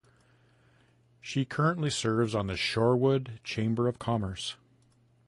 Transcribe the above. She currently serves on the Shorewood Chamber of Commerce.